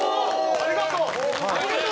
ありがとう！